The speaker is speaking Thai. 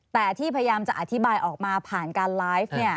แต่ที่พยายามจะอธิบายออกมาผ่านการไลฟ์